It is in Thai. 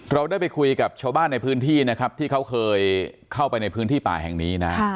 เราได้ไปคุยกับชาวบ้านในพื้นที่นะครับที่เขาเคยเข้าไปในพื้นที่ป่าแห่งนี้นะ